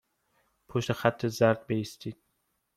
پشت خط زرد بایستید.